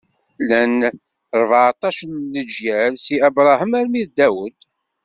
Llan ṛbeɛṭac n leǧyal si Abṛaham armi d Dawed.